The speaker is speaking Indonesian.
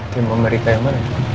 tim amerika yang mana ya pak